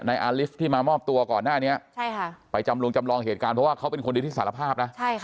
อาลิฟต์ที่มามอบตัวก่อนหน้านี้ไปจำลงจำลองเหตุการณ์เพราะว่าเขาเป็นคนดีที่สารภาพนะ